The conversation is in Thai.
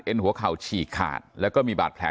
หัวเข่าฉีกขาดแล้วก็มีบาดแผล